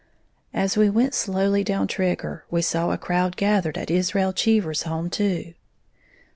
As we went slowly down Trigger, we saw a crowd gathered at Israel Cheever's home, too.